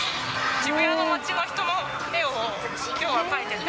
渋谷の街の人の絵をきょうは描いてて。